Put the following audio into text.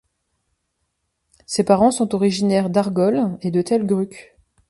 Ses parents sont originaires d'Argol et de Telgruc.